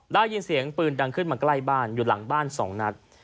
ได้ยินเสียงปืนดังขึ้นมาใกล้บ้านอยู่หลังบ้าน๒นัด